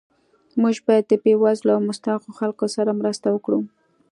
موږ باید د بې وزلو او مستحقو خلکو سره مرسته وکړو